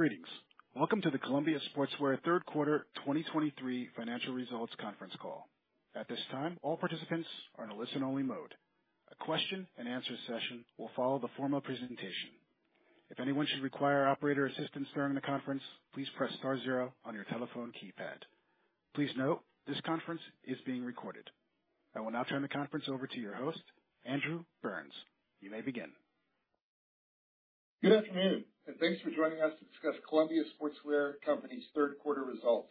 Greetings. Welcome to the Columbia Sportswear Third Quarter 2023 Financial Results Conference Call. At this time, all participants are in a listen-only mode. A question-and-answer session will follow the formal presentation. If anyone should require operator assistance during the conference, please press star zero on your telephone keypad. Please note, this conference is being recorded. I will now turn the conference over to your host, Andrew Burns. You may begin. Good afternoon, and thanks for joining us to discuss Columbia Sportswear Company's Third Quarter Results.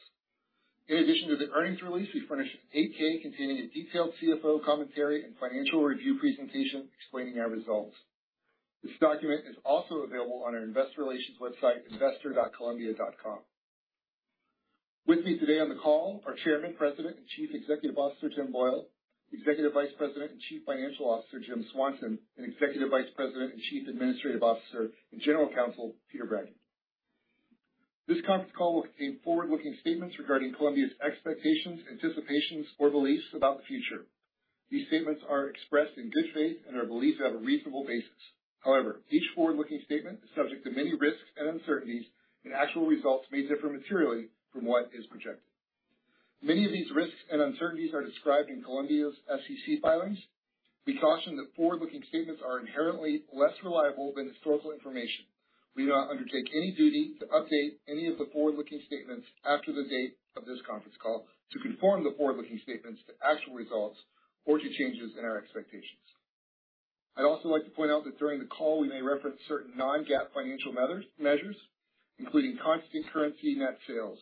In addition to the earnings release, we furnished an 8-K containing a detailed CFO commentary and financial review presentation explaining our results. This document is also available on our investor relations website, investor.columbia.com. With me today on the call are Chairman, President, and Chief Executive Officer, Tim Boyle, Executive Vice President and Chief Financial Officer, Jim Swanson, and Executive Vice President and Chief Administrative Officer and General Counsel, Peter Bragdon. This conference call will contain forward-looking statements regarding Columbia's expectations, anticipations, or beliefs about the future. These statements are expressed in good faith and are believed to have a reasonable basis. However, each forward-looking statement is subject to many risks and uncertainties, and actual results may differ materially from what is projected. Many of these risks and uncertainties are described in Columbia's SEC filings. We caution that forward-looking statements are inherently less reliable than historical information. We do not undertake any duty to update any of the forward-looking statements after the date of this conference call to conform the forward-looking statements to actual results or to changes in our expectations. I'd also like to point out that during the call, we may reference certain non-GAAP financial measures, including constant currency net sales.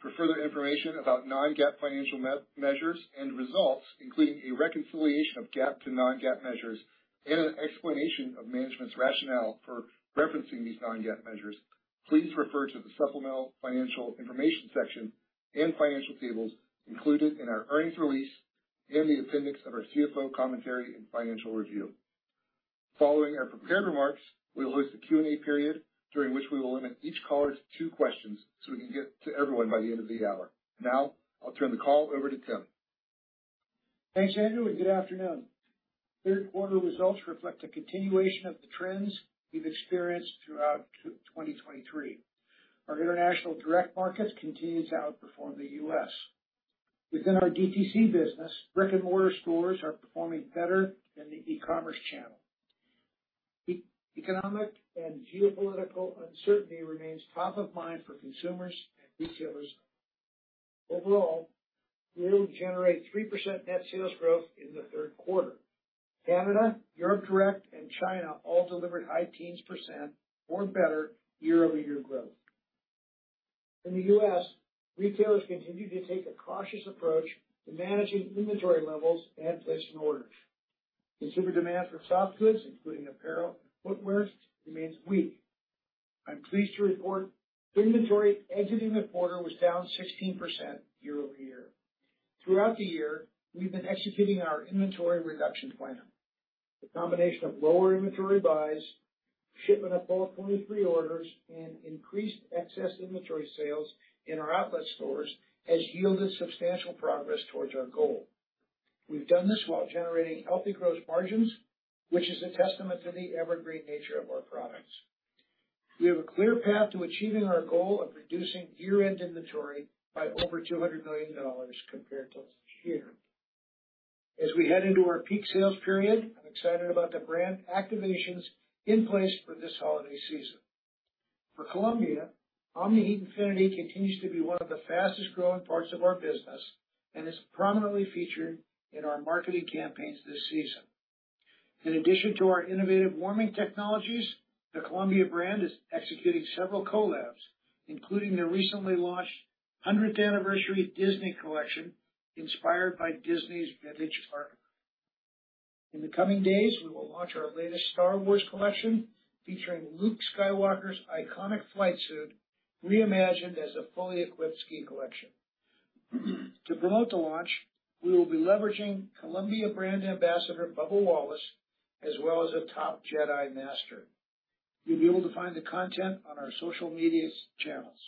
For further information about non-GAAP financial measures and results, including a reconciliation of GAAP to non-GAAP measures and an explanation of management's rationale for referencing these non-GAAP measures, please refer to the supplemental financial information section and financial tables included in our earnings release and the appendix of our CFO commentary and financial review. Following our prepared remarks, we will host a Q&A period, during which we will limit each caller to two questions so we can get to everyone by the end of the hour. Now, I'll turn the call over to Tim. Thanks, Andrew, and good afternoon. Third quarter results reflect a continuation of the trends we've experienced throughout 2023. Our international direct markets continue to outperform the U.S. Within our DTC business, brick-and-mortar stores are performing better than the e-commerce channel. Economic and geopolitical uncertainty remains top of mind for consumers and retailers. Overall, we only generate 3% net sales growth in the third quarter. Canada, Europe Direct, and China all delivered high teens % or better year-over-year growth. In the U.S., retailers continued to take a cautious approach to managing inventory levels and placing orders. Consumer demand for soft goods, including apparel and footwear, remains weak. I'm pleased to report inventory exiting the quarter was down 16% year-over-year. Throughout the year, we've been executing our inventory reduction plan. The combination of lower inventory buys, shipment of fall 2023 orders, and increased excess inventory sales in our outlet stores has yielded substantial progress towards our goal. We've done this while generating healthy gross margins, which is a testament to the evergreen nature of our products. We have a clear path to achieving our goal of reducing year-end inventory by over $200 million compared to this year. As we head into our peak sales period, I'm excited about the brand activations in place for this holiday season. For Columbia, Omni-Heat Infinity continues to be one of the fastest growing parts of our business and is prominently featured in our marketing campaigns this season. In addition to our innovative warming technologies, the Columbia brand is executing several collabs, including the recently launched 100th anniversary Disney collection, inspired by Disney's vintage artwork. In the coming days, we will launch our latest Star Wars collection, featuring Luke Skywalker's iconic flight suit, reimagined as a fully equipped ski collection. To promote the launch, we will be leveraging Columbia brand ambassador, Bubba Wallace, as well as a top Jedi Master. You'll be able to find the content on our social media channels.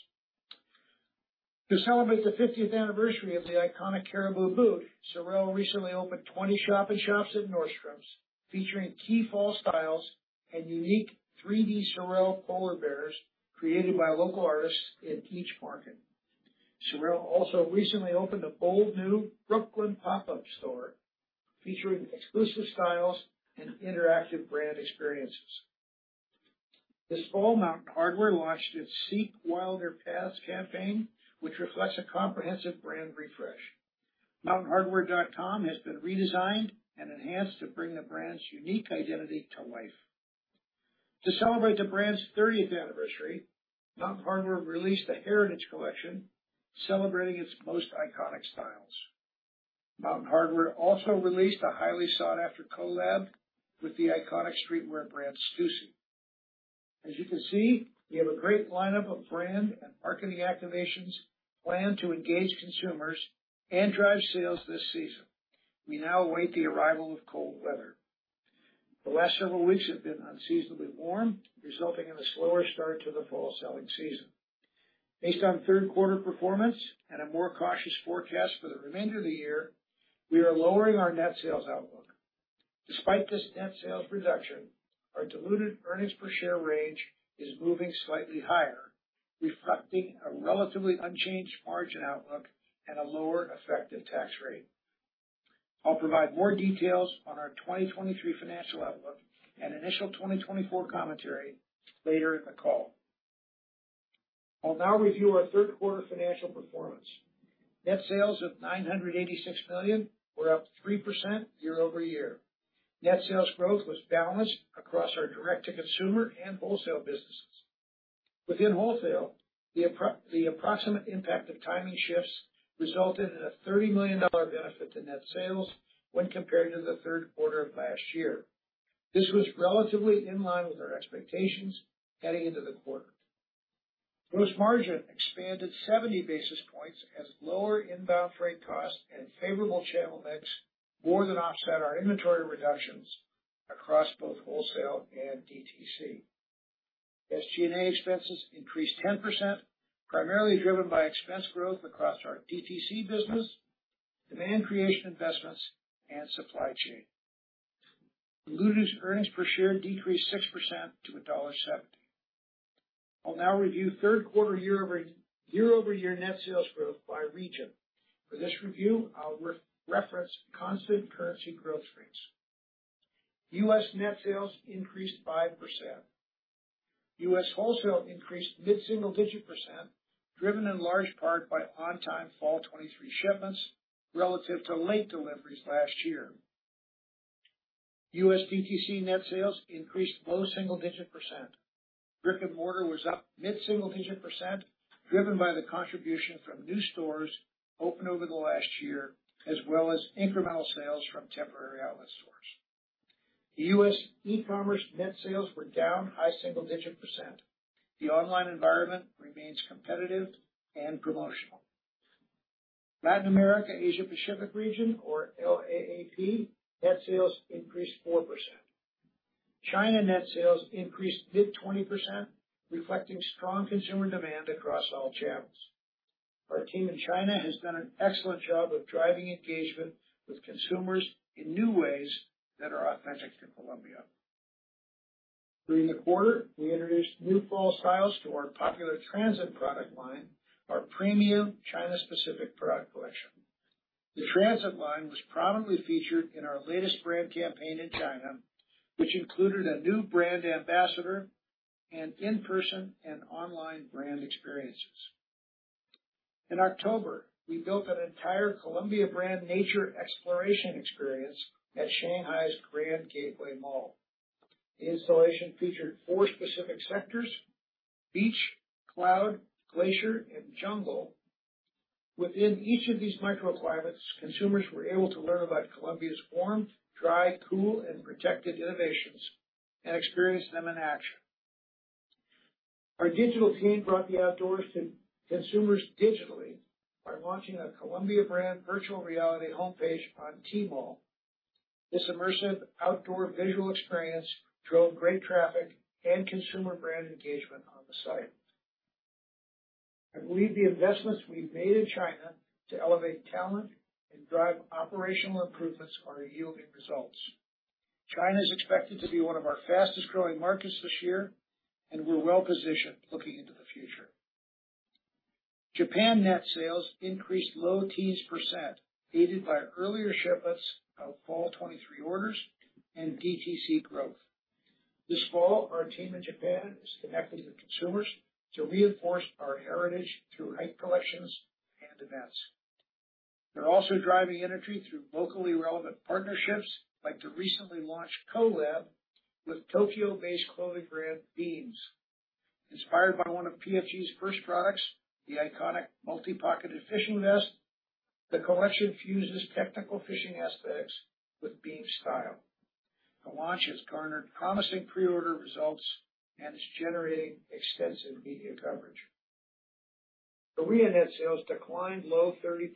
To celebrate the 50th anniversary of the iconic Caribou boot, Sorel recently opened 20 shop-in-shops at Nordstrom's, featuring key fall styles and unique 3D Sorel polar bears, created by local artists in each market. Sorel also recently opened a bold new Brooklyn pop-up store featuring exclusive styles and interactive brand experiences. This fall, Mountain Hardwear launched its Seek Wilder Paths campaign, which reflects a comprehensive brand refresh. MountainHardwear.com has been redesigned and enhanced to bring the brand's unique identity to life. To celebrate the brand's thirtieth anniversary, Mountain Hardwear released a heritage collection celebrating its most iconic styles. Mountain Hardwear also released a highly sought-after collab with the iconic streetwear brand, Stüssy. As you can see, we have a great lineup of brand and marketing activations planned to engage consumers and drive sales this season. We now await the arrival of cold weather. The last several weeks have been unseasonably warm, resulting in a slower start to the fall selling season.... Based on third quarter performance and a more cautious forecast for the remainder of the year, we are lowering our net sales outlook. Despite this net sales reduction, our diluted earnings per share range is moving slightly higher, reflecting a relatively unchanged margin outlook and a lower effective tax rate. I'll provide more details on our 2023 financial outlook and initial 2024 commentary later in the call. I'll now review our third quarter financial performance. Net sales of $986 million were up 3% year-over-year. Net sales growth was balanced across our Direct-to-Consumer and wholesale businesses. Within wholesale, the approximate impact of timing shifts resulted in a $30 million benefit to net sales when compared to the third quarter of last year. This was relatively in line with our expectations heading into the quarter. Gross margin expanded 70 basis points as lower inbound freight costs and favorable channel mix more than offset our inventory reductions across both wholesale and DTC. SG&A expenses increased 10%, primarily driven by expense growth across our DTC business, demand creation investments, and supply chain. Diluted earnings per share decreased 6% to $1.70. I'll now review third quarter year-over-year net sales growth by region. For this review, I'll reference constant currency growth rates. U.S. net sales increased 5%. U.S. wholesale increased mid-single digit %, driven in large part by on-time fall 2023 shipments relative to late deliveries last year. U.S. DTC net sales increased low single digit %. Brick-and-mortar was up mid-single digit %, driven by the contribution from new stores opened over the last year, as well as incremental sales from temporary outlet stores. U.S. e-commerce net sales were down high single digit %. The online environment remains competitive and promotional. Latin America, Asia Pacific region, or LAAP, net sales increased 4%. China net sales increased mid-20%, reflecting strong consumer demand across all channels. Our team in China has done an excellent job of driving engagement with consumers in new ways that are authentic to Columbia. During the quarter, we introduced new fall styles to our popular Transit product line, our premium China-specific product collection. The Transit line was prominently featured in our latest brand campaign in China, which included a new brand ambassador and in-person and online brand experiences. In October, we built an entire Columbia brand nature exploration experience at Shanghai's Grand Gateway Mall. The installation featured four specific sectors: beach, cloud, glacier, and jungle. Within each of these microclimates, consumers were able to learn about Columbia's warm, dry, cool, and protected innovations and experience them in action. Our digital team brought the outdoors to consumers digitally by launching a Columbia brand virtual reality homepage on Tmall. This immersive outdoor visual experience drove great traffic and consumer brand engagement on the site. I believe the investments we've made in China to elevate talent and drive operational improvements are yielding results. China is expected to be one of our fastest-growing markets this year, and we're well positioned looking into the future. Japan net sales increased low teens %, aided by earlier shipments of fall 2023 orders and DTC growth. This fall, our team in Japan is connecting with consumers to reinforce our heritage through hike collections and events. They're also driving energy through locally relevant partnerships, like the recently launched co-lab with Tokyo-based clothing brand, Beams. Inspired by one of PFG's first products, the iconic multi-pocketed fishing vest, the collection fuses technical fishing aesthetics with Beams style. The launch has garnered promising pre-order results and is generating extensive media coverage. Korea net sales declined low 30%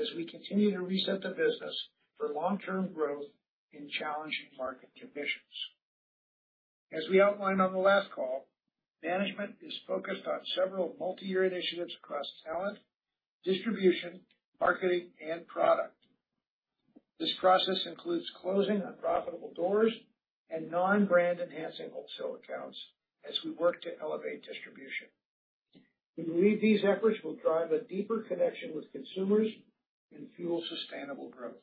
as we continue to reset the business for long-term growth in challenging market conditions. As we outlined on the last call, management is focused on several multi-year initiatives across talent, distribution, marketing, and product. This process includes closing unprofitable doors and non-brand enhancing wholesale accounts as we work to elevate distribution. We believe these efforts will drive a deeper connection with consumers and fuel sustainable growth.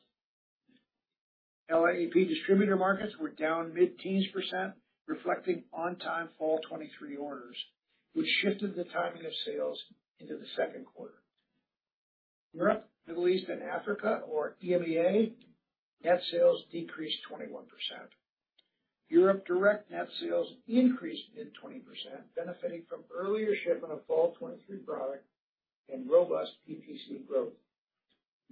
LAAP distributor markets were down mid-teens %, reflecting on-time fall 2023 orders, which shifted the timing of sales into the second quarter. Europe, Middle East and Africa, or EMEA, net sales decreased 21%. Europe direct net sales increased mid-20%, benefiting from earlier shipment of fall 2023 product and robust DTC growth.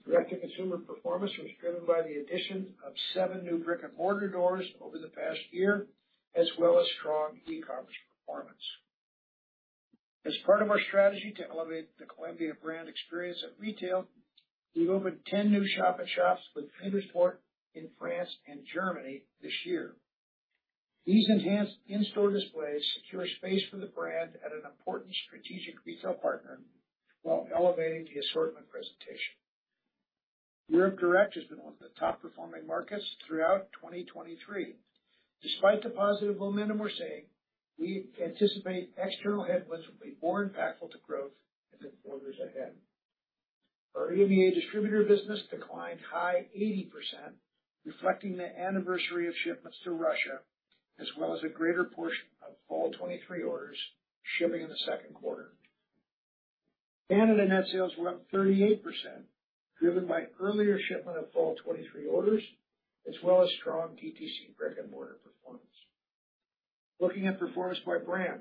Direct-to-Consumer performance was driven by the addition of seven new brick-and-mortar doors over the past year, as well as strong e-commerce performance. As part of our strategy to elevate the Columbia brand experience at retail, we've opened 10 new shop-in-shops with Intersport in France and Germany this year. These enhanced in-store displays secure space for the brand at an important strategic retail partner, while elevating the assortment presentation. Europe Direct has been one of the top performing markets throughout 2023. Despite the positive momentum we're seeing, we anticipate external headwinds will be more impactful to growth in the quarters ahead. Our EMEA distributor business declined high 80%, reflecting the anniversary of shipments to Russia, as well as a greater portion of fall 2023 orders shipping in the second quarter. Canada net sales were up 38%, driven by earlier shipment of fall 2023 orders, as well as strong DTC brick-and-mortar performance. Looking at performance by brand.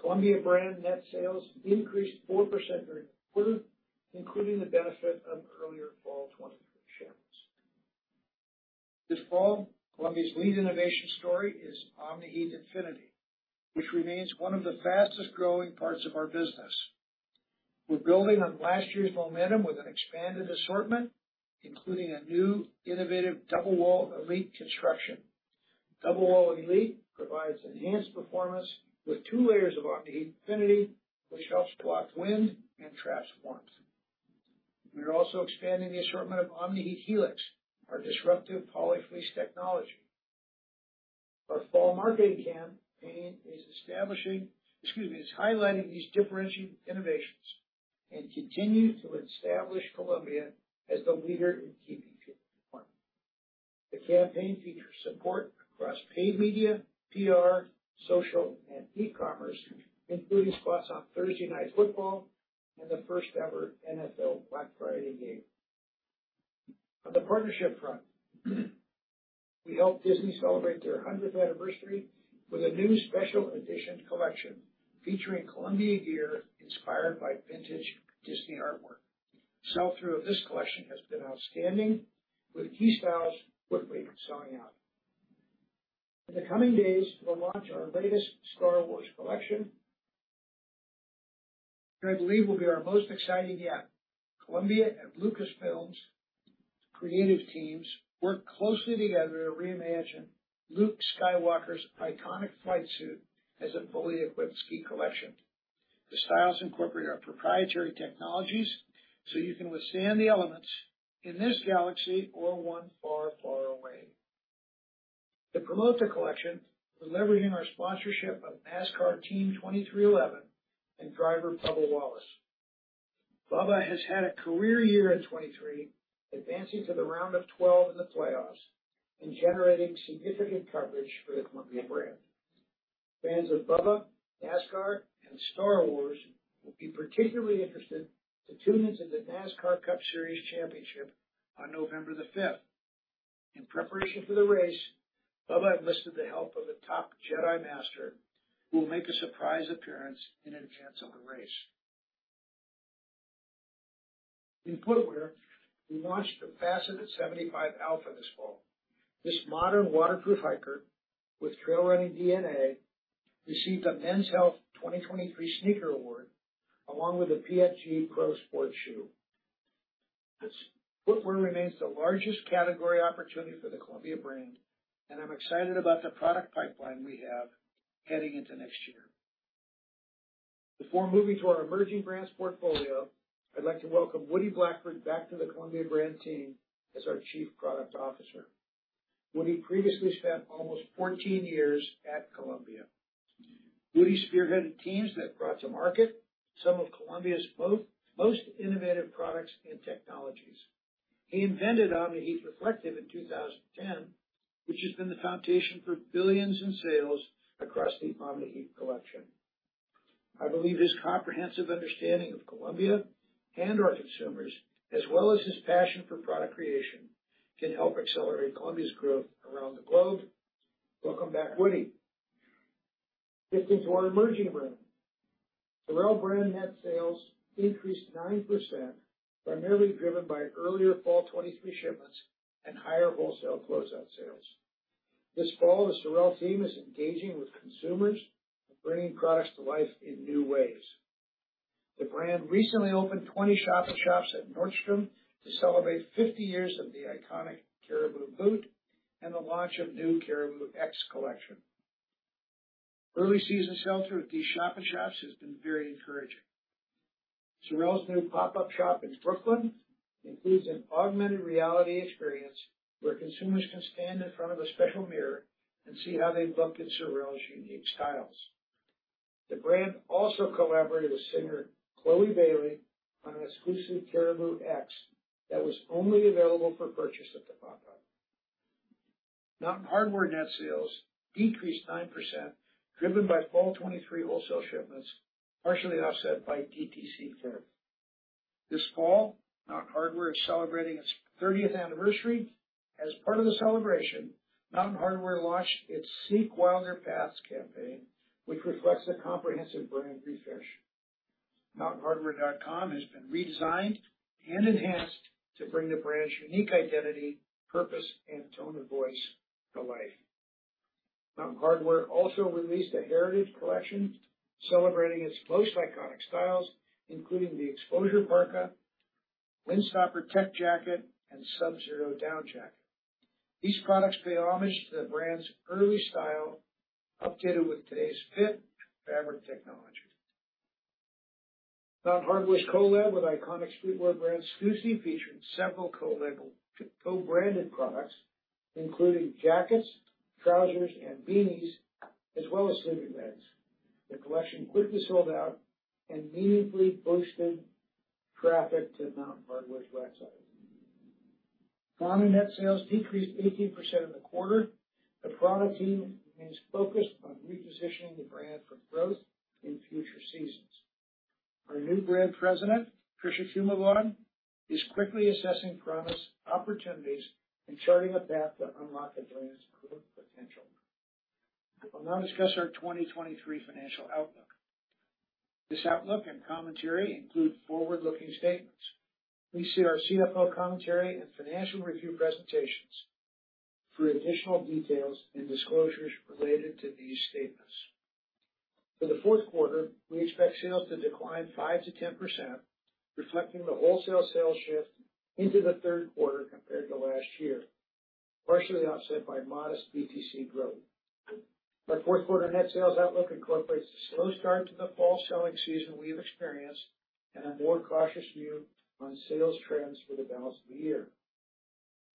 Columbia brand net sales increased 4% during the quarter, including the benefit of earlier fall 2023 shipments. This fall, Columbia's lead innovation story is Omni-Heat Infinity, which remains one of the fastest growing parts of our business. We're building on last year's momentum with an expanded assortment, including a new innovative Double Wall Elite construction. Double Wall Elite provides enhanced performance with two layers of Omni-Heat Infinity, which helps block wind and traps warmth. We are also expanding the assortment of Omni-Heat Helix, our disruptive polyfleece technology. Our fall marketing campaign is highlighting these differentiated innovations and continue to establish Columbia as the leader in keeping people warm. The campaign features support across paid media, PR, social, and e-commerce, including spots on Thursday Night Football and the first-ever NFL Black Friday game. On the partnership front, we helped Disney celebrate their 100th anniversary with a new special edition collection featuring Columbia gear inspired by vintage Disney artwork. Sell-through of this collection has been outstanding, with key styles quickly selling out. In the coming days, we'll launch our latest Star Wars collection, which I believe will be our most exciting yet. Columbia and Lucasfilm's creative teams worked closely together to reimagine Luke Skywalker's iconic flight suit as a fully equipped ski collection. The styles incorporate our proprietary technologies, so you can withstand the elements in this galaxy or one far, far away. To promote the collection, we're leveraging our sponsorship of NASCAR Team 23XI and driver Bubba Wallace. Bubba has had a career year in 2023, advancing to the round of 12 in the playoffs and generating significant coverage for the Columbia brand. Fans of Bubba, NASCAR, and Star Wars will be particularly interested to tune into the NASCAR Cup Series championship on November the 5th. In preparation for the race, Bubba enlisted the help of a top Jedi Master, who will make a surprise appearance in advance of the race. In footwear, we launched the Facet 75 Alpha this fall. This modern waterproof hiker with trail running DNA received a Men's Health 2023 sneaker award, along with a PFG pro sport shoe. This footwear remains the largest category opportunity for the Columbia brand, and I'm excited about the product pipeline we have heading into next year. Before moving to our emerging brands portfolio, I'd like to welcome Woody Blackford back to the Columbia brand team as our Chief Product Officer. Woody previously spent almost 14 years at Columbia. Woody spearheaded teams that brought to market some of Columbia's most innovative products and technologies. He invented Omni-Heat Reflective in 2010, which has been the foundation for billions in sales across the Omni-Heat collection. I believe his comprehensive understanding of Columbia and our consumers, as well as his passion for product creation, can help accelerate Columbia's growth around the globe. Welcome back, Woody. Getting to our emerging brand. SOREL brand net sales increased 9%, primarily driven by earlier fall 2023 shipments and higher wholesale closeout sales. This fall, the SOREL team is engaging with consumers and bringing products to life in new ways. The brand recently opened 20 shop-in-shops at Nordstrom to celebrate 50 years of the iconic Caribou boot and the launch of new Caribou X collection. Early season sell-through of these shop-in-shops has been very encouraging. SOREL's new pop-up shop in Brooklyn includes an augmented reality experience, where consumers can stand in front of a special mirror and see how they'd look in SOREL's unique styles. The brand also collaborated with singer Chloe Bailey on an exclusive Caribou X that was only available for purchase at the pop-up. Mountain Hardwear net sales decreased 9%, driven by fall 2023 wholesale shipments, partially offset by DTC sales. This fall, Mountain Hardwear is celebrating its 30th anniversary. As part of the celebration, Mountain Hardwear launched its Seek Wilder Paths campaign, which reflects a comprehensive brand refresh. MountainHardwear.com has been redesigned and enhanced to bring the brand's unique identity, purpose, and tone of voice to life. Mountain Hardwear also released a heritage collection celebrating its most iconic styles, including the Exposure Parka, Windstopper tech jacket, and Subzero down jacket. These products pay homage to the brand's early style, updated with today's fit and fabric technology. Mountain Hardwear's collab with iconic streetwear brand Stüssy, featuring several co-branded products, including jackets, trousers, and beanies, as well as sleeping bags. The collection quickly sold out and immediately boosted traffic to Mountain Hardwear's website. prAna net sales decreased 18% in the quarter. The prAna team remains focused on repositioning the brand for growth in future seasons. Our new brand president, Tricia Shumavon, is quickly assessing prAna's opportunities and charting a path to unlock the brand's growth potential. I'll now discuss our 2023 financial outlook. This outlook and commentary include forward-looking statements. Please see our CFO commentary and financial review presentations for additional details and disclosures related to these statements. For the fourth quarter, we expect sales to decline 5%-10%, reflecting the wholesale sales shift into the third quarter compared to last year, partially offset by modest DTC growth. Our fourth quarter net sales outlook incorporates a slow start to the fall selling season we have experienced, and a more cautious view on sales trends for the balance of the year.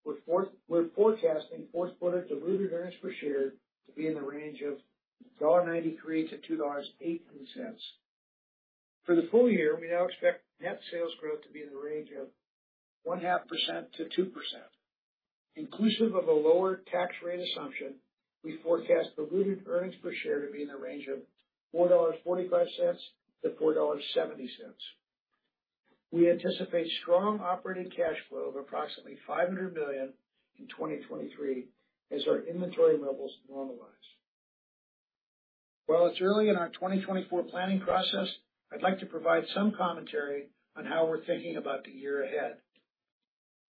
We're forecasting fourth quarter diluted earnings per share to be in the range of $1.93-$2.18. For the full year, we now expect net sales growth to be in the range of 0.5%-2%. Inclusive of a lower tax rate assumption, we forecast diluted earnings per share to be in the range of $4.45-$4.70. We anticipate strong operating cash flow of approximately $500 million in 2023 as our inventory levels normalize. While it's early in our 2024 planning process, I'd like to provide some commentary on how we're thinking about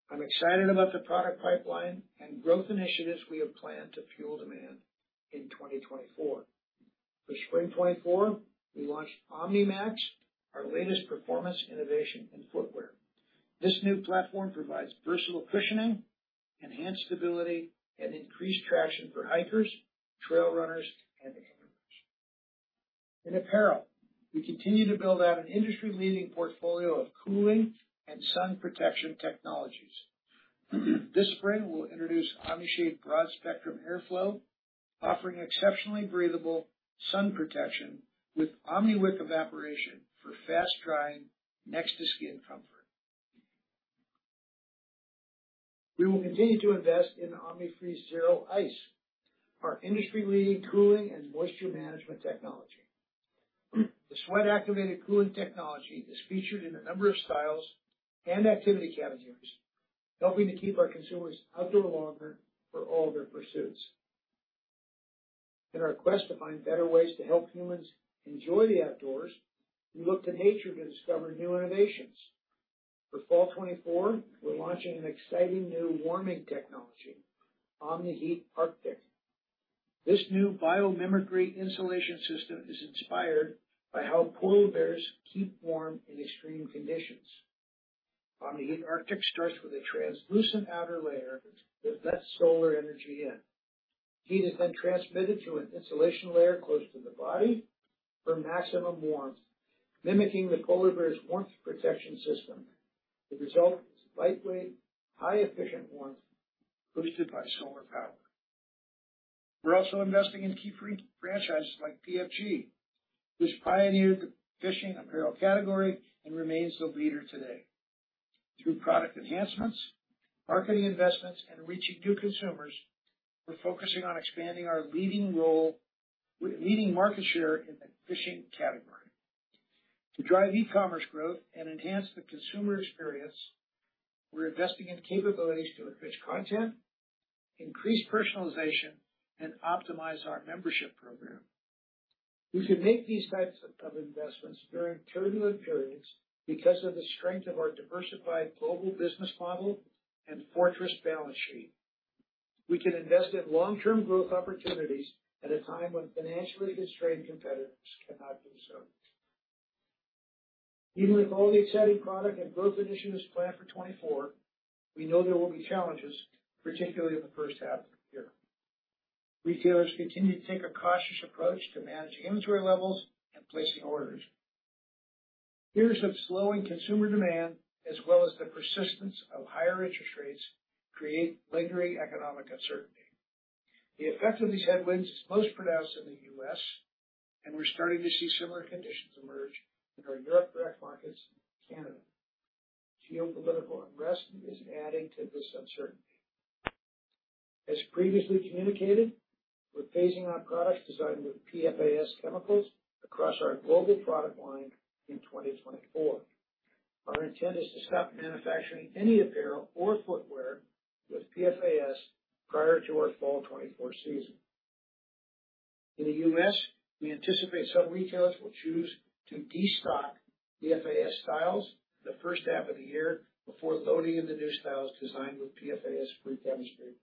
the year ahead. I'm excited about the product pipeline and growth initiatives we have planned to fuel demand in 2024. For spring 2024, we launched Omni-MAX, our latest performance innovation in footwear. This new platform provides versatile cushioning, enhanced stability, and increased traction for hikers, trail runners, and hikers. In apparel, we continue to build out an industry-leading portfolio of cooling and sun protection technologies. This spring, we'll introduce Omni-Shade Broad Spectrum Airflow, offering exceptionally breathable sun protection with Omni-Wick evaporation for fast-drying, next-to-skin comfort. We will continue to invest in Omni-Freeze ZERO Ice, our industry-leading cooling and moisture management technology. The sweat-activated cooling technology is featured in a number of styles and activity categories, helping to keep our consumers outdoor longer for all their pursuits. In our quest to find better ways to help humans enjoy the outdoors, we look to nature to discover new innovations. For fall 2024, we're launching an exciting new warming technology, Omni-Heat Arctic. This new biomimicry insulation system is inspired by how polar bears keep warm in extreme conditions. Omni-Heat Arctic starts with a translucent outer layer that lets solar energy in. Heat is then transmitted to an insulation layer close to the body for maximum warmth, mimicking the polar bear's warmth protection system. The result is lightweight, high efficient warmth boosted by solar power. We're also investing in key free franchises like PFG, which pioneered the fishing apparel category and remains the leader today. Through product enhancements, marketing investments, and reaching new consumers, we're focusing on expanding our leading role with leading market share in the fishing category. To drive e-commerce growth and enhance the consumer experience, we're investing in capabilities to enrich content, increase personalization, and optimize our membership program. We can make these types of investments during turbulent periods because of the strength of our diversified global business model and fortress balance sheet. We can invest in long-term growth opportunities at a time when financially constrained competitors cannot do so. Even with all the exciting product and growth initiatives planned for 2024, we know there will be challenges, particularly in the first half of the year. Retailers continue to take a cautious approach to managing inventory levels and placing orders. Years of slowing consumer demand, as well as the persistence of higher interest rates, create lingering economic uncertainty. The effect of these headwinds is most pronounced in the U.S., and we're starting to see similar conditions emerge in our Europe direct markets and Canada. Geopolitical unrest is adding to this uncertainty. As previously communicated, we're phasing out products designed with PFAS chemicals across our global product line in 2024. Our intent is to stop manufacturing any apparel or footwear with PFAS prior to our fall 2024 season. In the U.S., we anticipate some retailers will choose to destock PFAS styles in the first half of the year before loading in the new styles designed with PFAS-free chemistry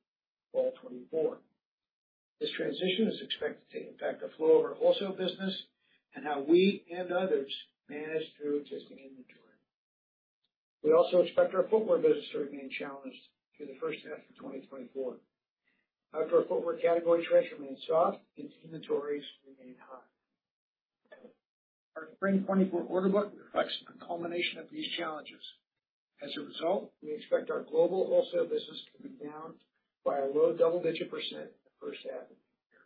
fall 2024....This transition is expected to impact the flow of our wholesale business and how we and others manage through existing inventory. We also expect our footwear business to remain challenged through the first half of 2024. Outdoor footwear category trends remain soft and inventories remain high. Our spring 2024 order book reflects a culmination of these challenges. As a result, we expect our global wholesale business to be down by a low double-digit % in the first half of the year.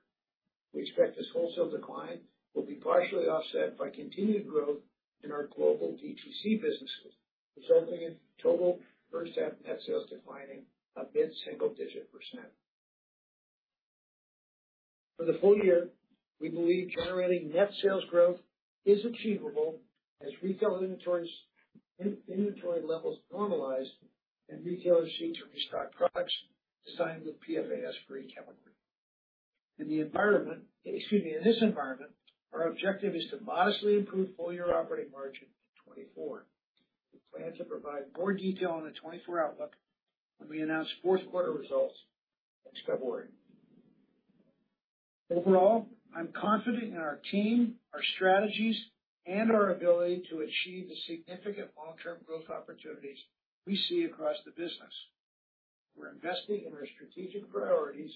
We expect this wholesale decline will be partially offset by continued growth in our global DTC businesses, resulting in total first half net sales declining a mid-single-digit %. For the full year, we believe generating net sales growth is achievable as retail inventories, inventory levels normalize and retailers seek to restock products designed with PFAS-free chemical. In the environment. Excuse me. In this environment, our objective is to modestly improve full-year operating margin in 2024. We plan to provide more detail on the 2024 outlook when we announce fourth quarter results next February. Overall, I'm confident in our team, our strategies, and our ability to achieve the significant long-term growth opportunities we see across the business. We're investing in our strategic priorities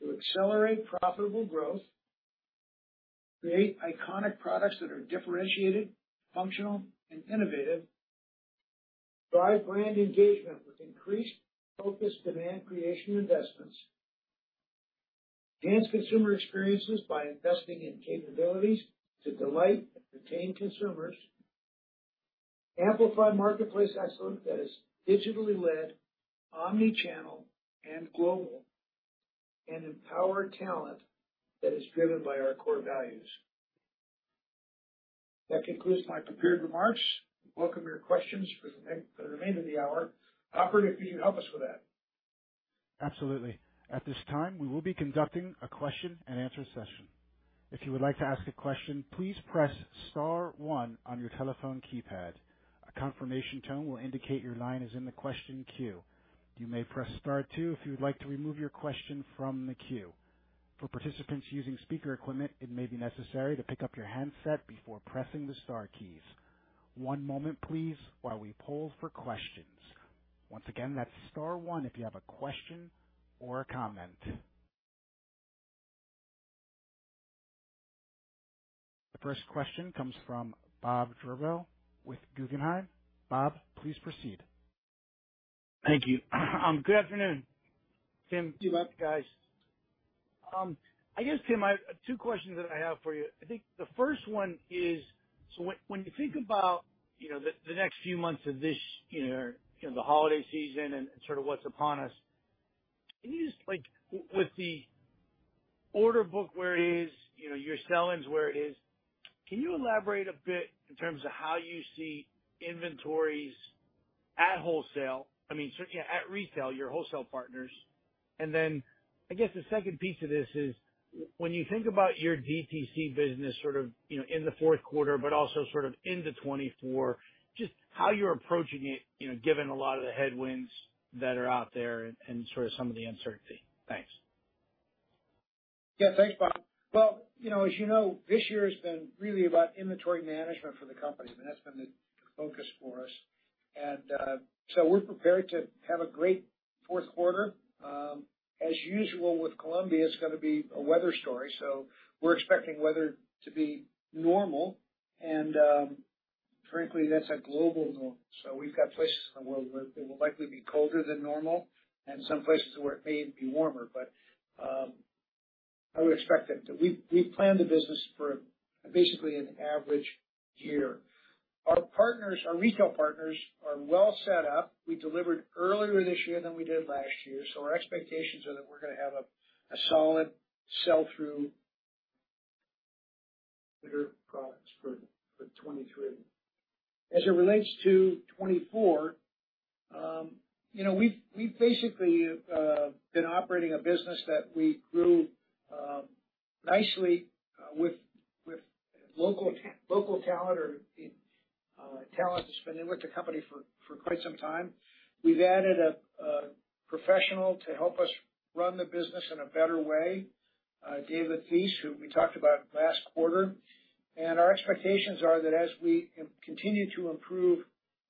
to accelerate profitable growth, create iconic products that are differentiated, functional, and innovative, drive brand engagement with increased focused demand creation investments, enhance consumer experiences by investing in capabilities to delight and retain consumers, amplify marketplace excellence that is digitally led, omni-channel and global, and empower talent that is driven by our core values. That concludes my prepared remarks. Welcome your questions for the remainder of the hour. Operator, if you can help us with that. Absolutely. At this time, we will be conducting a question-and-answer session. If you would like to ask a question, please press star one on your telephone keypad. A confirmation tone will indicate your line is in the question queue. You may press star two if you would like to remove your question from the queue. For participants using speaker equipment, it may be necessary to pick up your handset before pressing the star keys. One moment, please, while we poll for questions. Once again, that's star one if you have a question or a comment. The first question comes from Bob Drbul with Guggenheim. Bob, please proceed. Thank you. Good afternoon, Tim. Good luck, guys. I guess, Tim, two questions that I have for you. I think the first one is: so when you think about the next few months of this year, you know, the holiday season and sort of what's upon us, can you just like, with the order book where it is, you know, your sell-ins where it is, can you elaborate a bit in terms of how you see inventories at wholesale? I mean, certainly at retail, your wholesale partners. And then I guess the second piece to this is, when you think about your DTC business, sort of, you know, in the fourth quarter, but also sort of into 2024, just how you're approaching it, you know, given a lot of the headwinds that are out there and sort of some of the uncertainty. Thanks. Yeah. Thanks, Bob. Well, you know, as you know, this year has been really about inventory management for the company, and that's been the focus for us. And so, we're prepared to have a great fourth quarter. As usual with Columbia, it's gonna be a weather story, so we're expecting weather to be normal and, frankly, that's a global normal. So, we've got places in the world where it will likely be colder than normal and some places where it may be warmer. But, I would expect that. We've planned the business for basically an average year. Our partners, our retail partners are well set up. We delivered earlier this year than we did last year, so our expectations are that we're gonna have a solid sell-through products for 2023. As it relates to 2024, you know, we've, we've basically been operating a business that we grew nicely with local talent or talent that's been with the company for quite some time. We've added a professional to help us run the business in a better way, David Thies, who we talked about last quarter. And our expectations are that as we continue to improve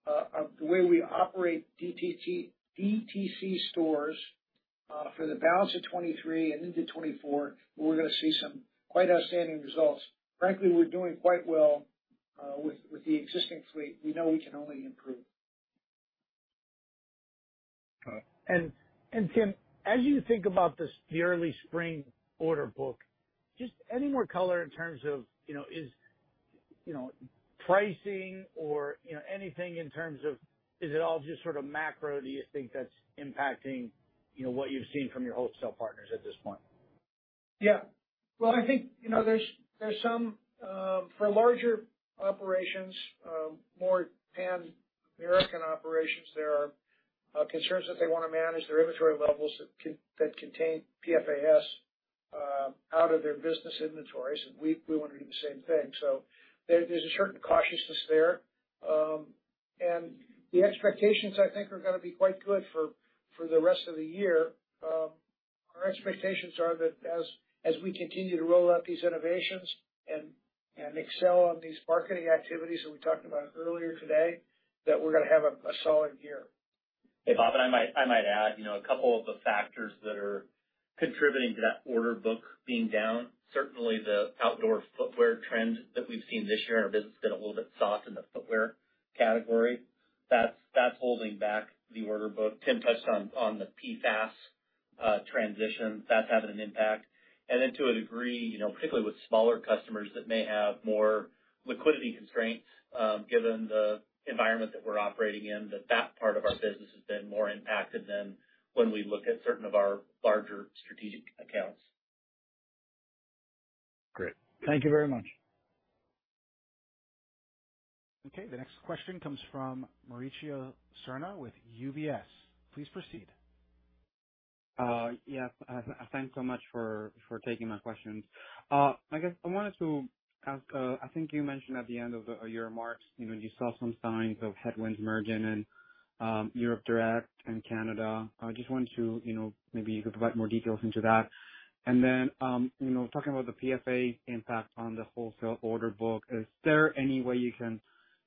the way we operate DTC stores for the balance of 2023 and into 2024, we're gonna see some quite outstanding results. Frankly, we're doing quite well with the existing fleet. We know we can only improve. Tim, as you think about this, the early spring order book, just any more color in terms of, you know, is, you know, pricing or, you know, anything in terms of... Is it all just sort of macro, do you think, that's impacting, you know, what you've seen from your wholesale partners at this point? Yeah. Well, I think, you know, there's some for larger operations, more Pan-American operations, there are concerns that they want to manage their inventory levels that contain PFAS out of their business inventories, and we want to do the same thing. So, there's a certain cautiousness there. And the expectations, I think, are gonna be quite good for the rest of the year. Our expectations are that as we continue to roll out these innovations and excel on these marketing activities that we talked about earlier today, that we're gonna have a solid year. Hey, Bob, and I might add, you know, a couple of the factors that are contributing to that order book being down, certainly the outdoor footwear trend that we've seen this year, our business has been a little bit soft in the footwear category. That's holding back the order book. Tim touched on the PFAS transition. That's having an impact. And then to a degree, you know, particularly with smaller customers that may have more liquidity constraints, given the environment that we're operating in, that part of our business has been more impacted than when we look at certain of our larger strategic accounts. Great.Thank you very much. Okay, the next question comes from Mauricio Serna with UBS. Please proceed. Yeah, thanks so much for taking my questions. I guess I wanted to ask, I think you mentioned at the end of your remarks, you know, you saw some signs of headwinds emerging in Europe Direct and Canada. I just wanted to, you know, maybe you could provide more details into that. And then, you know, talking about the PFAS impact on the wholesale order book, is there any way you can,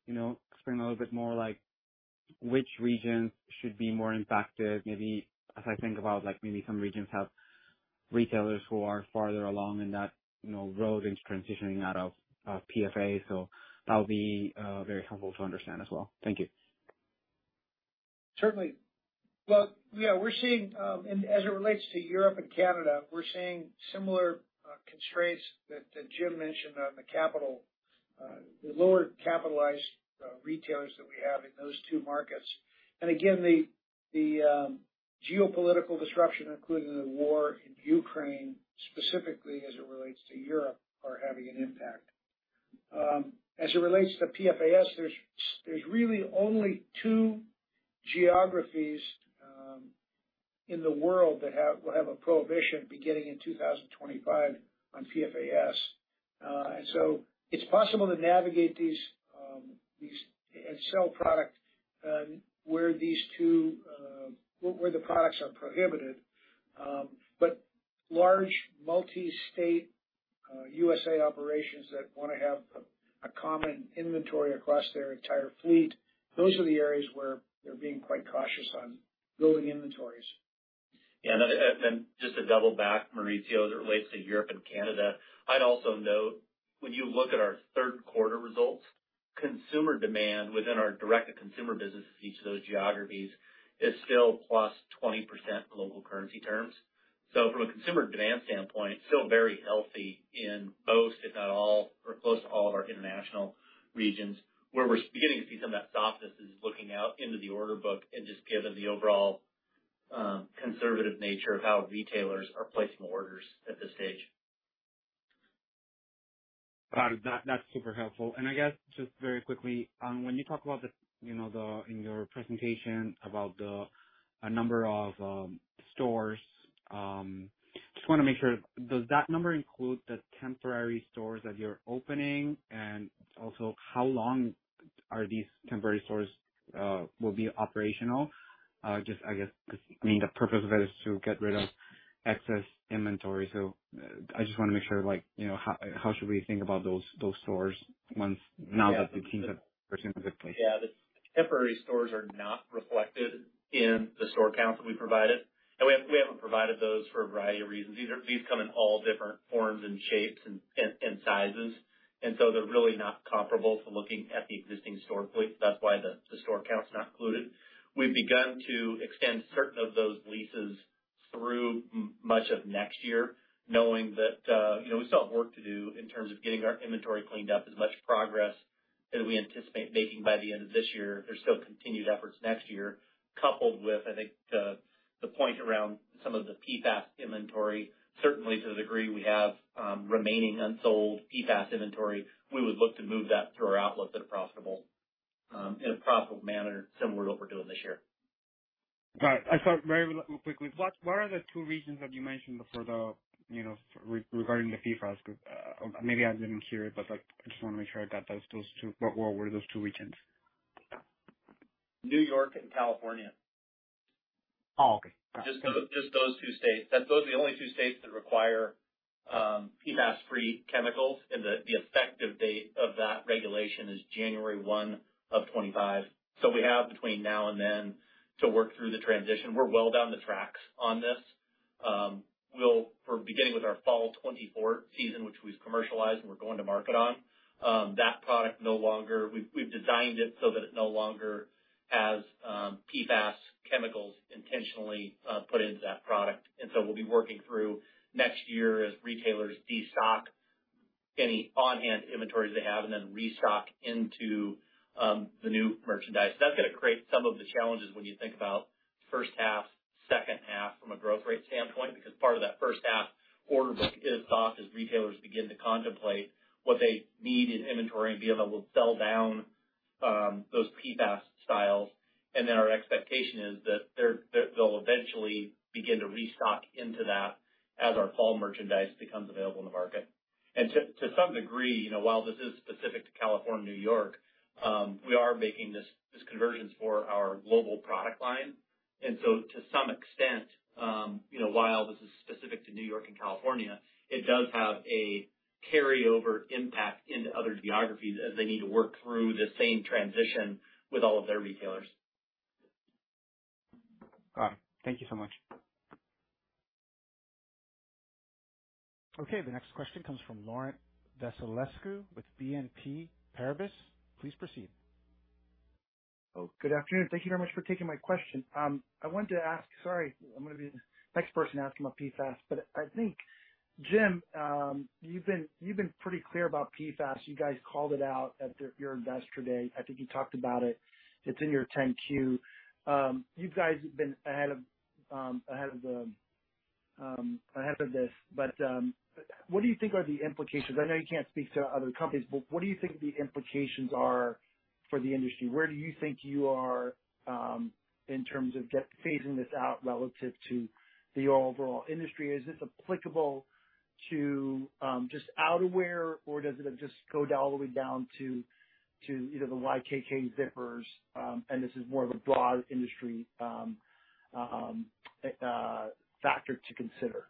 you know, explain a little bit more like which regions should be more impacted? Maybe as I think about, like, maybe some regions have retailers who are farther along in that, you know, road into transitioning out of PFAS. So that would be very helpful to understand as well. Thank you. Certainly. Well, yeah, we're seeing. And as it relates to Europe and Canada, we're seeing similar constraints that Jim mentioned on the capital, the lower capitalized retailers that we have in those two markets. And again, the geopolitical disruption, including the war in Ukraine, specifically as it relates to Europe, are having an impact. As it relates to PFAS, there's really only two geographies in the world that will have a prohibition beginning in 2025 on PFAS. And so, it's possible to navigate these and sell product where these two, where the products are prohibited. But large, multi-state USA operations that wanna have a common inventory across their entire fleet, those are the areas where they're being quite cautious on building inventories. Yeah, just to double back, Mauricio, as it relates to Europe and Canada, I'd also note, when you look at our third quarter results, consumer demand within our Direct-to-Consumer businesses, each of those geographies is still +20% in local currency terms. So, from a consumer demand standpoint, it's still very healthy in most, if not all, or close to all of our international regions. Where we're beginning to see some of that softness is looking out into the order book and just given the overall conservative nature of how retailers are placing orders at this stage. Got it. That's super helpful. I guess just very quickly, when you talk about the, you know, the... in your presentation about the, a number of stores, just wanna make sure, does that number include the temporary stores that you're opening? Also, how long are these temporary stores will be operational? Just, I guess, 'cause, I mean, the purpose of it is to get rid of excess inventory, so I just wanna make sure, like, you know, how should we think about those stores once... now that the teams have- Yeah. -specifically? Yeah. The temporary stores are not reflected in the store counts that we provided, and we have, we haven't provided those for a variety of reasons. These come in all different forms and shapes and sizes, and so they're really not comparable to looking at the existing store fleet. That's why the store count's not included. We've begun to extend certain of those leases through much of next year, knowing that, you know, we still have work to do in terms of getting our inventory cleaned up. As much progress as we anticipate making by the end of this year, there's still continued efforts next year, coupled with, I think, the point around some of the PFAS inventory. Certainly, to the degree we have remaining unsold PFAS inventory, we would look to move that through our outlets in a profitable manner, similar to what we're doing this year. Got it. I thought very quickly, what are the two regions that you mentioned before, you know, regarding the PFAS group? Maybe I didn't hear it, but I just wanna make sure I got those two. What were those two regions? New York and California. Oh, okay. Just those, just those two states. Those are the only two states that require PFAS-free chemicals, and the effective date of that regulation is January 1, 2025. We have between now and then to work through the transition. We're well down the tracks on this. We'll... For beginning with our fall 2024 season, which we've commercialized and we're going to market on, that product no longer—we've designed it so that it no longer has PFAS chemicals intentionally put into that product. We'll be working through next year as retailers destock any on-hand inventories they have and then restock into the new merchandise. That's gonna create some of the challenges when you think about first half, second half from a growth rate standpoint, because part of that first half order book is soft as retailers begin to contemplate what they need in inventory and be able to sell down those PFAS styles, and then our expectation is that they'll eventually begin to restock into that as our fall merchandise becomes available in the market. And to some degree, you know, while this is specific to California and New York, we are making this conversions for our global product line. And so, to some extent, you know, while this is specific to New York and California, it does have a carryover impact into other geographies as they need to work through the same transition with all of their retailers. Got it. Thank you so much. Okay, the next question comes from Laurent Vasilescu with BNP Paribas. Please proceed. Oh, good afternoon. Thank you very much for taking my question. I wanted to ask... Sorry, I'm gonna be the next person to ask him about PFAS, but I think, Jim, you've been, you've been pretty clear about PFAS. You guys called it out at your Investor Day. I think you talked about it. It's in your 10-Q. You guys have been ahead of, ahead of this, but what do you think are the implications? I know you can't speak to other companies, but what do you think the implications are for the industry? Where do you think you are in terms of just phasing this out relative to the overall industry? Is this applicable to just outerwear, or does it just go down all the way down to either the YKK zippers, and this is more of a broad industry factor to consider?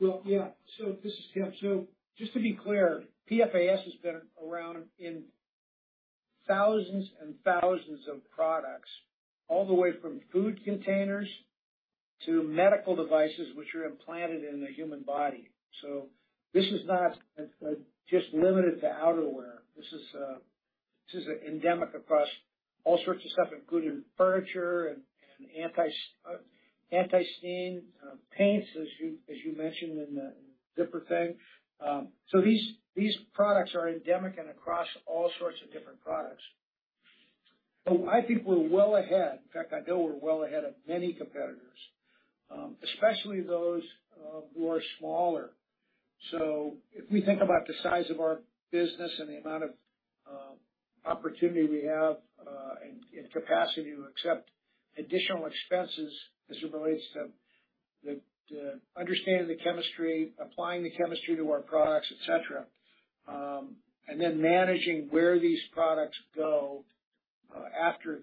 Well, yeah. So, this is Tim. So just to be clear, PFAS has been around in thousands and thousands of products, all the way from food containers to medical devices, which are implanted in the human body. So, this is not just limited to outerwear. This is endemic across all sorts of stuff, including furniture and anti-stain paints, as you mentioned in the zipper thing. So, these products are endemic across all sorts of different products. So, I think we're well ahead. In fact, I know we're well ahead of many competitors, especially those who are smaller. If we think about the size of our business and the amount of opportunity we have, and capacity to accept additional expenses as it relates to the understanding the chemistry, applying the chemistry to our products, et cetera, and then managing where these products go after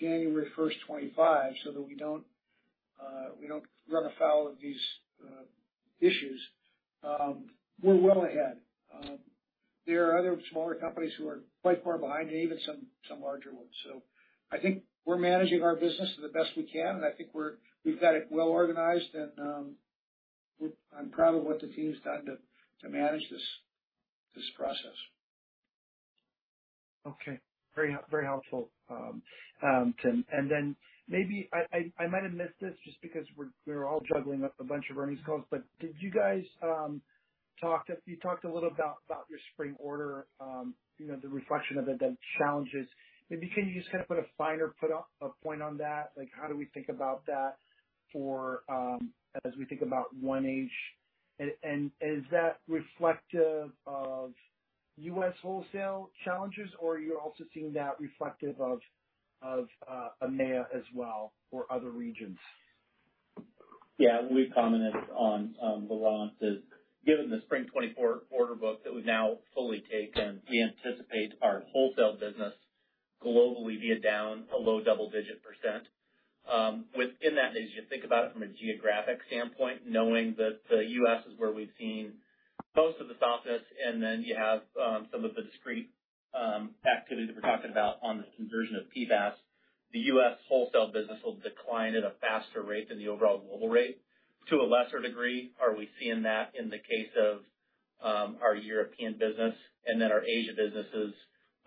January 1st, 2025, so that we don't run afoul of these issues, we're well ahead. There are other smaller companies who are quite far behind, and even some larger ones. I think we're managing our business the best we can, and I think we've got it well organized. I'm proud of what the team's done to manage this process. Okay. Very, very helpful. And then maybe I might have missed this just because we're all juggling a bunch of earnings calls, but did you guys talk to... You talked a little about your spring order, you know, the reflection of it, the challenges. Maybe can you just kind of put a finer point on that? Like, how do we think about that for, you know, as we think about 1H? Is that reflective of U.S. wholesale challenges, or you're also seeing that reflective of EMEA as well, or other regions? Yeah, we've commented on Laurent, given the spring 2024 order book that we've now fully taken, we anticipate our wholesale business globally to be down a low double-digit %. Within that, as you think about it from a geographic standpoint, knowing that the U.S. is where we've seen most of the softness, and then you have some of the discrete activity that we're talking about on the conversion of PFAS. The U.S. wholesale business will decline at a faster rate than the overall global rate. To a lesser degree, we're seeing that in the case of our European business, and then our Asia businesses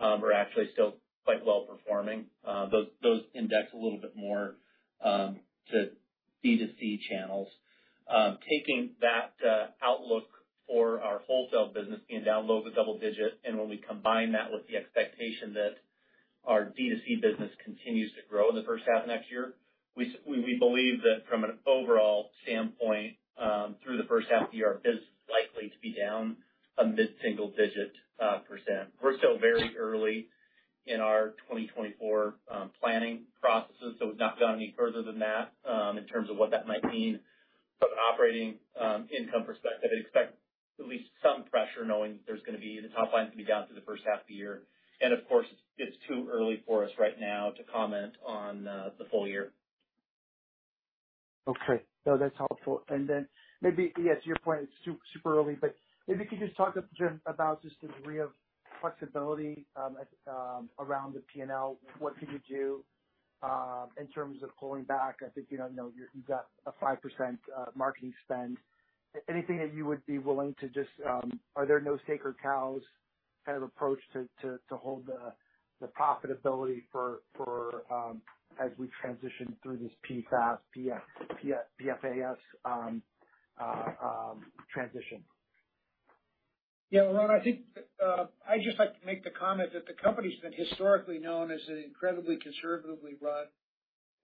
are actually still quite well performing. Those, those index a little bit more to D2C channels. Taking that outlook for our wholesale business being down low double-digit, and when we combine that with the expectation that our D2C business continues to grow in the first half of next year, we believe that from an overall standpoint, through the first half of the year, our business is likely to be down a mid-single-digit%. We're still very early in our 2024 planning processes, so we've not gone any further than that in terms of what that might mean from an operating income perspective. I'd expect at least some pressure knowing that there's gonna be... the top line is gonna be down for the first half of the year. Of course, it's too early for us right now to comment on the full year. Okay. No, that's helpful. And then maybe, yes, to your point, it's too super early, but maybe you could just talk a bit about just the degree of flexibility around the PNL. What can you do in terms of pulling back? I think, you know, you know, you've got a 5% marketing spend. Anything that you would be willing to just... Are there no sacred cows kind of approach to hold the profitability for as we transition through this PFAS transition? Yeah, Laurent, I think, I'd just like to make the comment that the company's been historically known as an incredibly conservatively run-...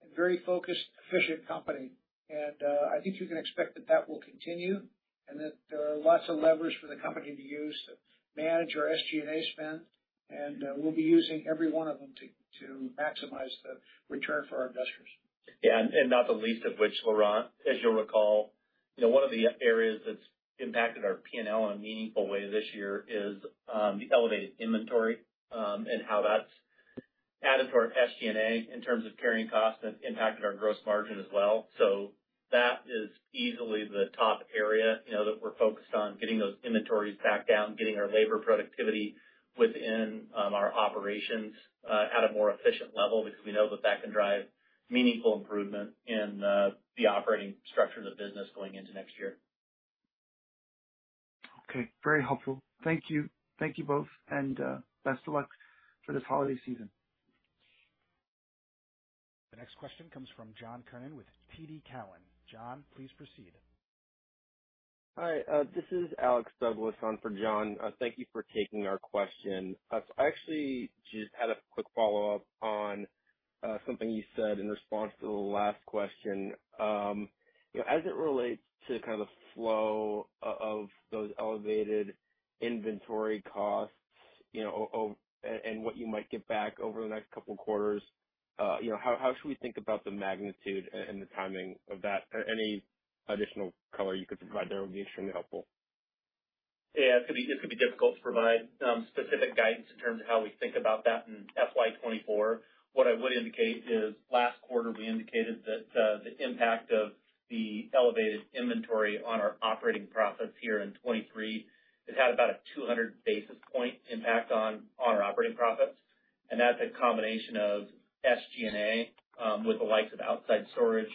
a very focused, efficient company. I think you can expect that that will continue, and that there are lots of levers for the company to use to manage our SG&A spend. We'll be using every one of them to maximize the return for our investors. Yeah, and not the least of which, Laurent, as you'll recall, you know, one of the areas that's impacted our PNL in a meaningful way this year is the elevated inventory, and how that's added to our SG&A in terms of carrying costs and impacted our gross margin as well. So that is easily the top area, you know, that we're focused on getting those inventories back down, getting our labor productivity within our operations at a more efficient level, because we know that that can drive meaningful improvement in the operating structure of the business going into next year. Okay. Very helpful. Thank you. Thank you both, and best of luck for this holiday season. The next question comes from John Kernan with TD Cowen. John, please proceed. Hi, this is Alex Douglass on for John. Thank you for taking our question. I actually just had a quick follow-up on something you said in response to the last question. You know, as it relates to kind of the flow of those elevated inventory costs, you know, and what you might get back over the next couple quarters, you know, how should we think about the magnitude and the timing of that? Any additional color you could provide there would be extremely helpful. Yeah, it could be difficult to provide, you know, specific guidance in terms of how we think about that in FY 2024. What I would indicate is, last quarter, we indicated that the impact of the elevated inventory on our operating profits here in 2023, it had about a 200 basis point impact on our operating profits, and that's a combination of SG&A, with the likes of outside storage,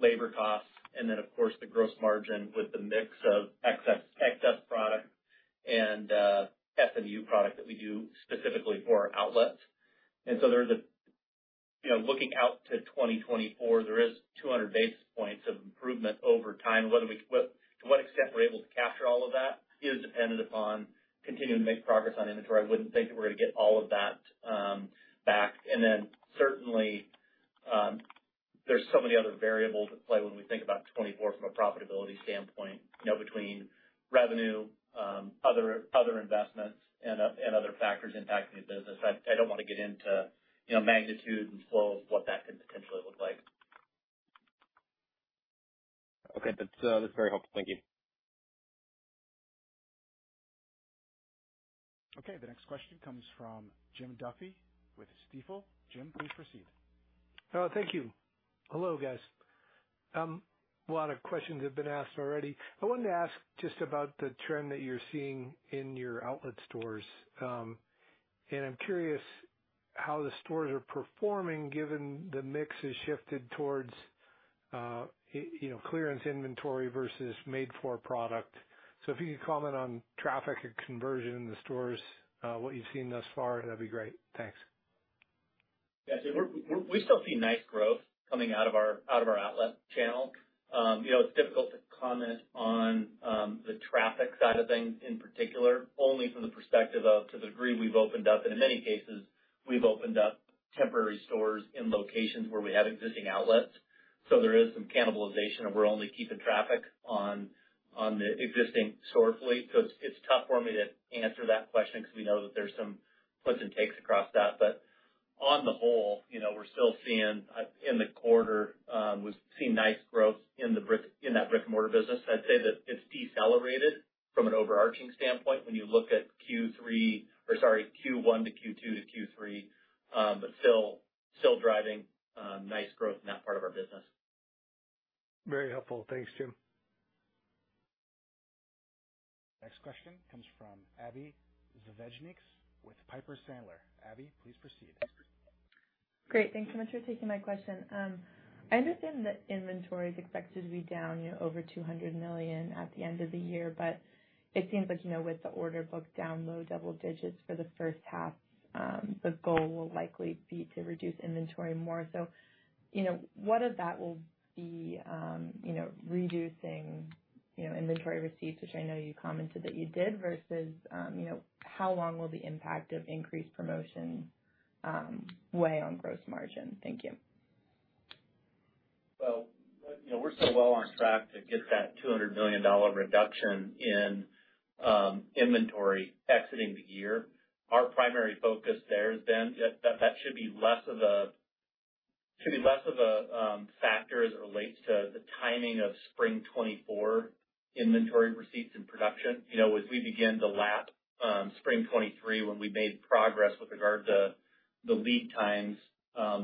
labor costs, and then, of course, the gross margin with the mix of excess, excess product and SMU product that we do specifically for our outlets. There's a... You know, looking out to 2024, there is 200 basis points of improvement over time. Whether we-- what-- to what extent we're able to capture all of that is dependent upon continuing to make progress on inventory. I wouldn't think that we're gonna get all of that back. And then, certainly, there's so many other variables at play when we think about 2024 from a profitability standpoint, you know, between revenue, other investments and other factors impacting the business. I don't want to get into, you know, magnitude and flow of what that could potentially look like. Okay. That's, that's very helpful. Thank you. Okay. The next question comes from Jim Duffy with Stifel. Jim, please proceed. Thank you. Hello, guys. A lot of questions have been asked already. I wanted to ask just about the trend that you're seeing in your outlet stores. And I'm curious how the stores are performing given the mix has shifted towards, you know, clearance inventory versus made for product. So if you could comment on traffic and conversion in the stores, what you've seen thus far, that'd be great. Thanks. Yeah. So, we're—we still see nice growth coming out of our outlet channel. You know, it's difficult to comment on the traffic side of things in particular, only from the perspective of, to the degree we've opened up, and in many cases, we've opened up temporary stores in locations where we have existing outlets, so there is some cannibalization, and we're only keeping traffic on the existing store fleet. So, it's tough for me to answer that question because we know that there's some puts and takes across that. But on the whole, you know, we're still seeing, in the quarter, we've seen nice growth in that brick-and-mortar business. I'd say that it's decelerated from an overarching standpoint when you look at Q3... or, sorry, Q1 to Q2 to Q3, but still, still driving, nice growth in that part of our business. Very helpful. Thanks, Jim. Next question comes from Abbie Zvejnieks with Piper Sandler. Abbie, please proceed. Great. Thanks so much for taking my question. I understand that inventory is expected to be down, you know, over $200 million at the end of the year, but it seems like, you know, with the order book down low double digits for the first half, the goal will likely be to reduce inventory more. So, you know, what of that will be, you know, reducing, you know, inventory receipts, which I know you commented that you did, versus, you know, how long will the impact of increased promotion weigh on gross margin? Thank you. Well, you know, we're still well on track to get that $200 million reduction in inventory exiting the year. Our primary focus there has been that, that should be less of a, should be less of a factor as it relates to the timing of spring 2024 inventory receipts and production. You know, as we begin to lap spring 2023, when we made progress with regard to the lead times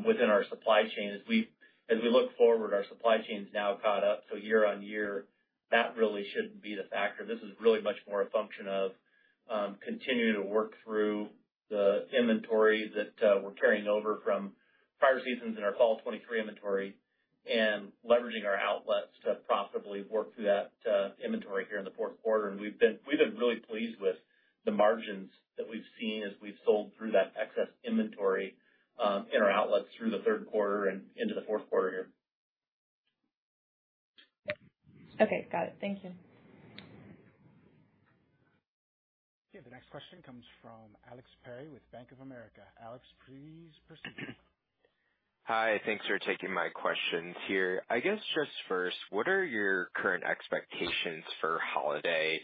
within our supply chain, as we, as we look forward, our supply chain's now caught up, so year-on-year, that really shouldn't be the factor. This is really much more a function of continuing to work through the inventory that we're carrying over from prior seasons in our fall 2023 inventory and leveraging our outlets to profitably work through that inventory here in the fourth quarter. We've been really pleased with the margins that we've seen as we've sold through that excess inventory in our outlets through the third quarter and into the fourth quarter here. Okay. Got it. Thank you.... The next question comes from Alex Perry with Bank of America. Alex, please proceed. Hi. Thanks for taking my questions here. I guess, just first, what are your current expectations for holiday?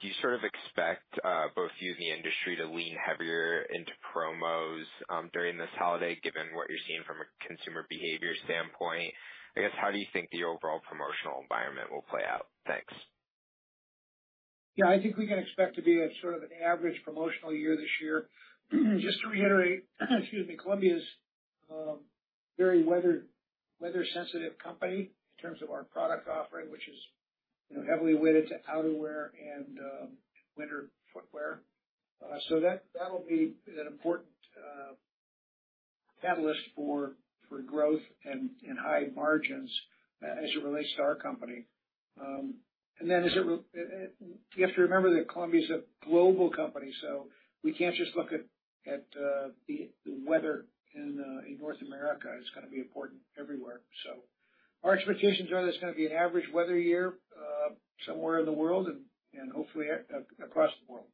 Do you sort of expect both you and the industry to lean heavier into promos during this holiday, given what you're seeing from a consumer behavior standpoint? I guess, how do you think the overall promotional environment will play out? Thanks. Yeah, I think we can expect to be a sort of an average promotional year this year. Just to reiterate, excuse me, Columbia's very weather sensitive company in terms of our product offering, which is, you know, heavily weighted to outerwear and winter footwear. So that, that'll be an important catalyst for growth and high margins as it relates to our company. And then you have to remember that Columbia is a global company, so we can't just look at the weather in North America. It's gonna be important everywhere. So, our expectations are that it's gonna be an average weather year somewhere in the world and hopefully across the world.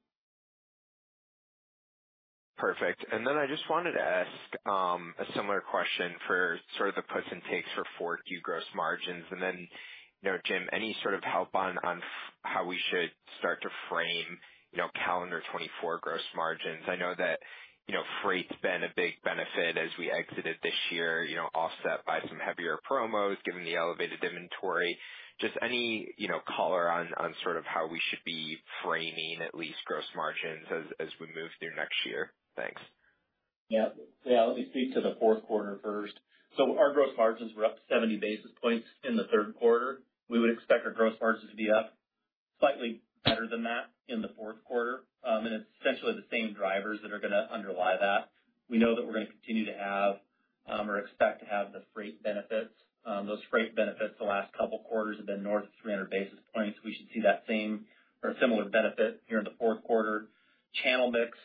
Perfect. And then I just wanted to ask, a similar question for sort of the puts and takes for 4Q gross margins. And then, you know, Jim, any sort of help on how we should start to frame, you know, calendar 2024 gross margins? I know that, you know, freight's been a big benefit as we exited this year, you know, offset by some heavier promos, given the elevated inventory. Just any, you know, color on, on sort of how we should be framing at least gross margins as, as we move through next year. Thanks. Yeah. Yeah. Let me speak to the fourth quarter first. So, our gross margins were up 70 basis points in the third quarter. We would expect our gross margins to be up slightly better than that in the fourth quarter. And it's essentially the same drivers that are gonna underlie that. We know that we're gonna continue to have or expect to have the freight benefits. Those freight benefits the last couple quarters have been north of 300 basis points. We should see that same or a similar benefit here in the fourth quarter. Channel mix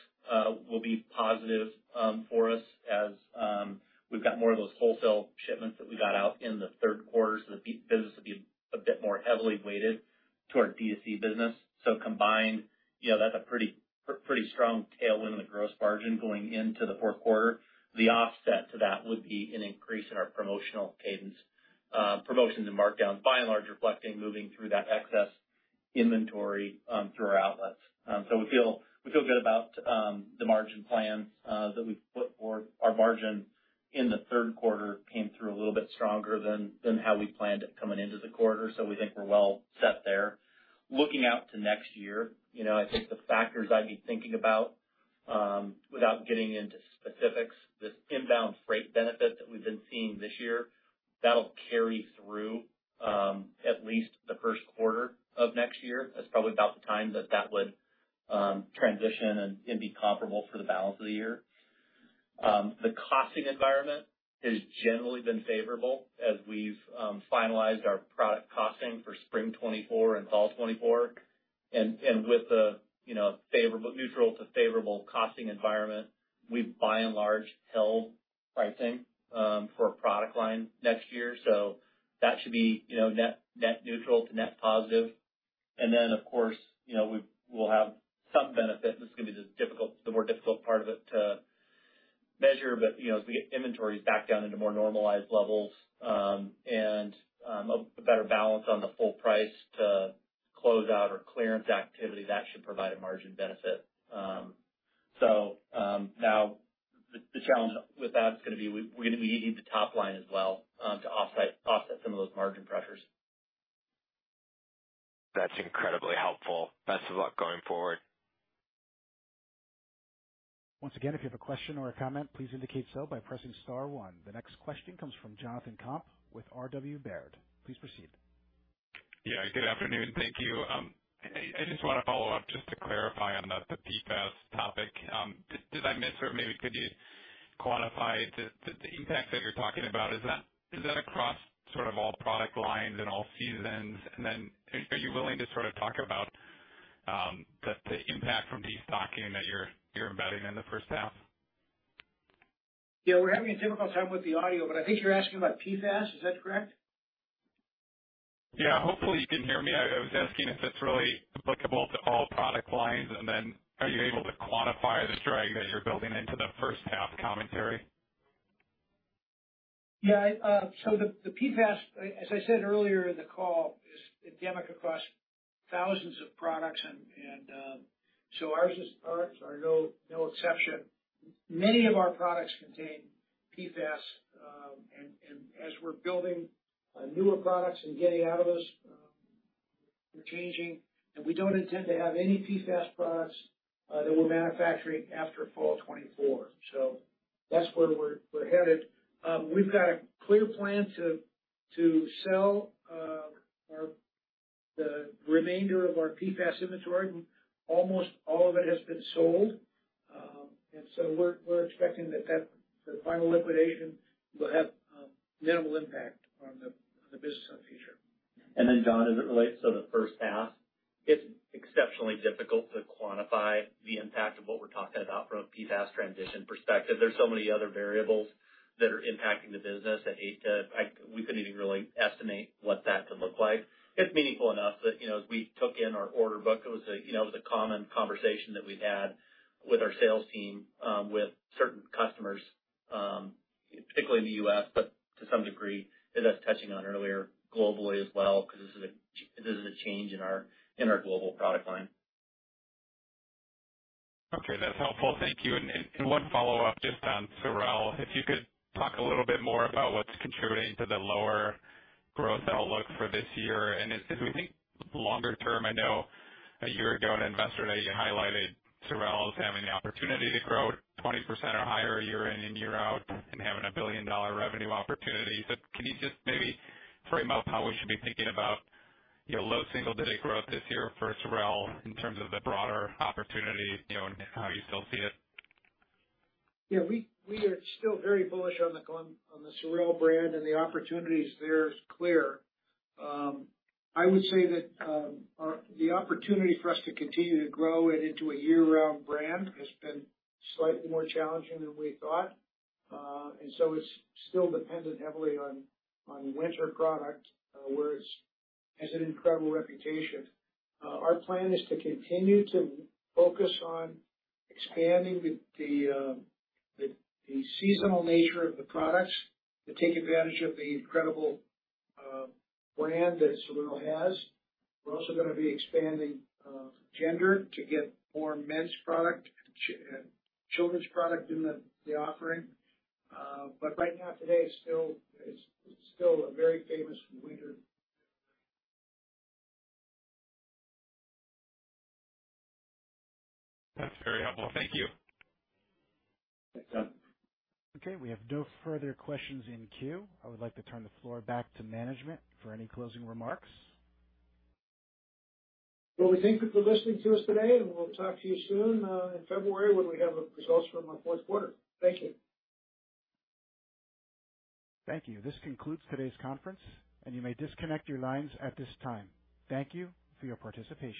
will be positive for us as we've got more of those wholesale shipments that we got out in the third quarter, so the business will be a bit more heavily weighted to our D2C business. So combined, you know, that's a pretty strong tailwind in the gross margin going into the fourth quarter. The offset to that would be an increase in our promotional cadence. Promotions and markdowns, by and large, reflecting moving through that excess inventory through our outlets. So, we feel, we feel good about the margin plans that we've put forward. Our margin in the third quarter came through a little bit stronger than how we planned it coming into the quarter, so we think we're well set there. Looking out to next year, you know, I think the factors I'd be thinking about, without getting into specifics, this inbound freight benefit that we've been seeing this year, that'll carry through at least the first quarter of next year. That's probably about the time that that would transition and be comparable for the balance of the year. The costing environment has generally been favorable as we've finalized our product costing for spring 2024 and fall 2024. And with the, you know, favorable neutral to favorable costing environment, we've by and large held pricing for our product line next year. So that should be, you know, net neutral to net positive. And then, of course, you know, we'll have some benefit. This is gonna be the more difficult part of it to measure, but, you know, as we get inventories back down into more normalized levels and a better balance on the full price to closeout or clearance activity, that should provide a margin benefit. So, now, the challenge with that is gonna be we're gonna need the top line as well, to offset some of those margin pressures. That's incredibly helpful. Best of luck going forward. Once again, if you have a question or a comment, please indicate so by pressing star one. The next question comes from Jonathan Komp with R.W. Baird. Please proceed. Yeah, good afternoon. Thank you. I just want to follow up, just to clarify on the PFAS topic. Did I miss, or maybe could you quantify the impact that you're talking about? Is that across sort of all product lines and all seasons? And then are you willing to sort of talk about the impact from destocking that you're embedding in the first half? Yeah, we're having a difficult time with the audio, but I think you're asking about PFAS, is that correct? Yeah. Hopefully, you can hear me. I was asking if it's really applicable to all product lines, and then are you able to quantify the drag that you're building into the first half commentary? Yeah. I... So, the PFAS, as I said earlier in the call, is endemic across thousands of products, and so ours is, ours are no exception. Many of our products contain PFAS, and as we're building newer products and getting out of this, we're changing, and we don't intend to have any PFAS products that we're manufacturing after fall of 2024. So that's where we're headed. We've got a clear plan to sell our-- the remainder of our PFAS inventory. Almost all of it has been sold. And so, we're expecting that the final liquidation will have minimal impact on the business in the future. And then, John, as it relates to the first half, it's exceptionally difficult to quantify the impact of what we're talking about from a PFAS transition perspective. There's so many other variables that are impacting the business. I'd hate to... I-- we couldn't even really estimate what that could look like. It's meaningful enough that, you know, as we took in our order book, it was a, you know, it was a common conversation that we had with our sales team with certain customers particularly in the U.S., but to some degree, as I was touching on earlier, globally as well, because this is a, this is a change in our, in our global product line. Okay, that's helpful. Thank you. And one follow-up just on SOREL. If you could talk a little bit more about what's contributing to the lower growth outlook for this year. And as we think longer term, I know a year ago, in Investor Day, you highlighted SOREL as having the opportunity to grow 20% or higher year in and year out and having a billion-dollar revenue opportunity. But can you just maybe frame out how we should be thinking about, you know, low single-digit growth this year for SOREL in terms of the broader opportunity, you know, and how you still see it? Yeah, we are still very bullish on the SOREL brand, and the opportunities there is clear. I would say that our—the opportunity for us to continue to grow it into a year-round brand has been slightly more challenging than we thought. And so, it's still dependent heavily on winter product, where it has an incredible reputation. Our plan is to continue to focus on expanding the seasonal nature of the products to take advantage of the incredible brand that SOREL has. We're also gonna be expanding gender to get more men's product and children's product in the offering. But right now, today, it's still a very famous winter. That's very helpful. Thank you. Thanks, John. Okay, we have no further questions in queue. I would like to turn the floor back to management for any closing remarks. Well, we thank you for listening to us today, and we'll talk to you soon, in February, when we have the results from our fourth quarter. Thank you. Thank you. This concludes today's conference, and you may disconnect your lines at this time. Thank you for your participation.